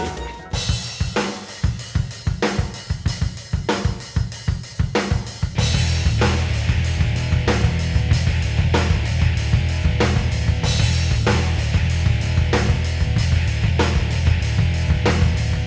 silahkan maju ke depan